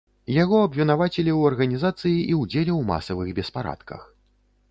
Яго абвінавацілі ў арганізацыі і ўдзеле ў масавых беспарадках.